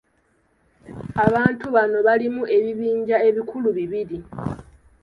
Abantu bano balimu ebibinja ebikulu bibiri.